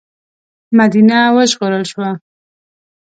مدینه وژغورل شوه.